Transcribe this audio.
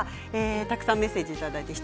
たくさんメッセージをいただいています。